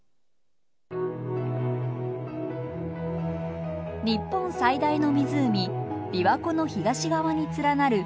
日本最大の湖琵琶湖の東側に連なる鈴鹿山脈。